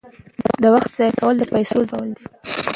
د وخت ضایع کول د پیسو ضایع کول دي.